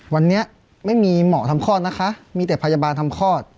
วันนี้ไม่มีหมอทำคลอดนะคะมีแต่พยาบาลทำคลอด